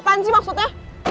apaan sih maksudnya